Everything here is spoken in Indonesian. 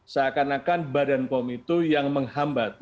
seakan akan badan pom itu yang menghambat